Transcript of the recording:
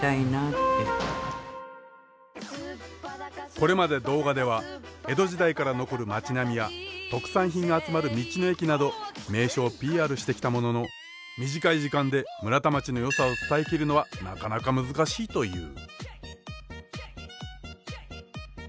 これまで動画では江戸時代から残る町並みや特産品が集まる道の駅など名所をＰＲしてきたものの短い時間で村田町のよさを伝え切るのはなかなか難しいという。